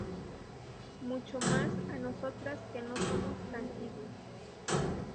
Mucho más a nosotras que no somos tangibles